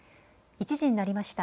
１時になりました。